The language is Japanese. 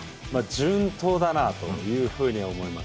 順当だなというふうには思います。